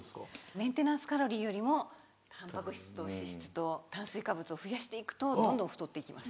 メンテナンスカロリーよりもタンパク質と脂質と炭水化物を増やして行くとどんどん太って行きます。